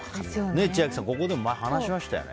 千秋さん、ここで話しましたよね。